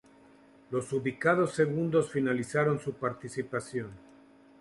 Los ubicados segundos finalizaron su participación.